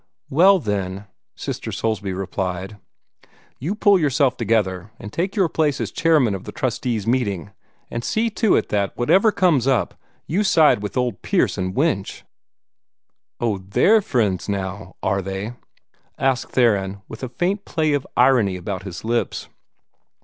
"Well, then," Sister Soulsby replied, "you pull yourself together, and take your place as chairman of the trustees' meeting, and see to it that, whatever comes up, you side with old Pierce and Winch." "Oh, THEY'RE my friends now, are they?" asked Theron, with a faint play of irony about his lips.